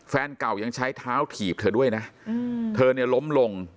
แฟนเก่ายังใช้เท้าถีบเธอด้วยนะเธอเนี่ยล้มลง